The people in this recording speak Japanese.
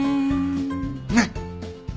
ねっ！